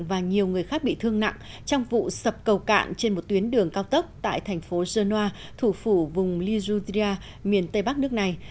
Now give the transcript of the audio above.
việt nam bị thương vong trong vụ sập cầu này